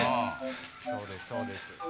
そうですそうです。